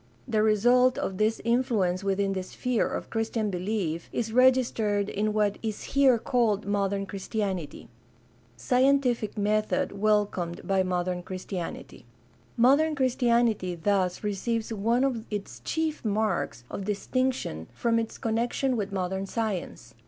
The result of this influence within the sphere of Christian belief is registered in what is here called modern Christianity. Scientific method welcomed by modem Christianity.— Modern Christianity thus receives one of its chief marks of THE DEVELOPMENT OF MODERN CHRISTIANITY 447 distinction from its connection with modern science.